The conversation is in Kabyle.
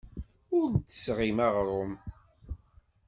Ur d-tesɣim aɣrum.